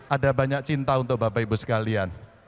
ada banyak cinta untuk bapak ibu sekalian